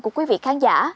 của quý vị khán giả